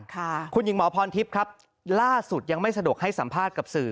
คุณหญิงหมอพรทิพย์ครับล่าสุดยังไม่สะดวกให้สัมภาษณ์กับสื่อ